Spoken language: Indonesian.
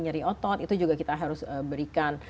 nyeri otot itu juga kita harus berikan